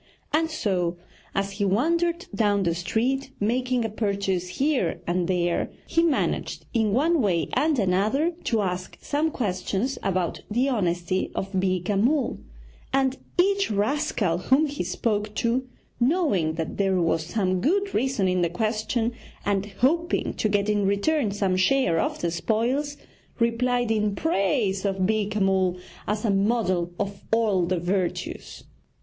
And so, as he wandered down the street, making a purchase here and there, he managed in one way and another to ask some questions about the honesty of Beeka Mull, and each rascal whom he spoke to, knowing that there was some good reason in the question, and hoping to get in return some share of the spoils, replied in praise of Beeka Mull as a model of all the virtues.